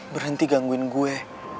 berhenti gangguin gue